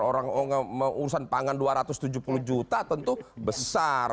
urusan pangan dua ratus tujuh puluh juta tentu besar